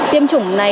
tiêm chủng này